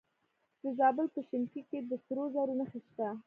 د زابل په شنکۍ کې د سرو زرو نښې شته.